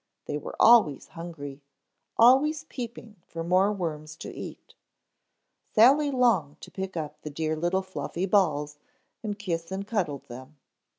They were always hungry, always peeping for more worms to eat. Sally longed to pick up the dear little fluffy balls and kiss and cuddle them.